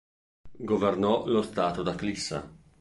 Governò lo Stato da Clissa.